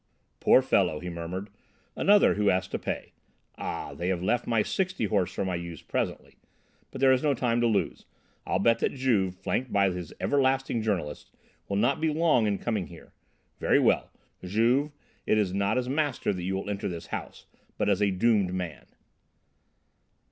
"Poor fellow!" he murmured. "Another who has to pay! Ah! they have left my 'sixty horse' for my use presently. But there is no time to lose, I'll bet that Juve, flanked by his everlasting journalist, will not be long in coming here. Very well! Juve, it is not as master that you will enter this house, but as a doomed man!"